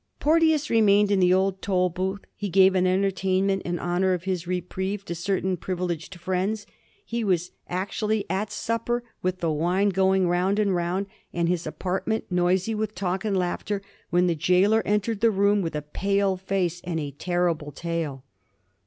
Porteous remained in the old Tolbooth; he gave an entertainment in honor of his reprieve to certain privi leged friends; he was actually at supper, with the wine going round and round, and his apartment noisy with talk and laughter, when the jailer entered the room with a pale face and a terrible tale.